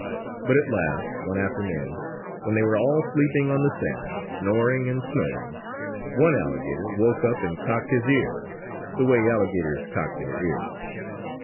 But at last one afternoon, when they were all sleeping on the sand, snoring and snoring, one alligator woke up and cocked his ears the way alligators cock their ears.